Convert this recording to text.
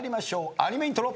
アニメイントロ。